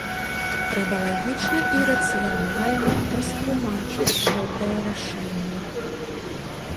Трэба лагічна і рацыянальна растлумачыць гэтае рашэнне.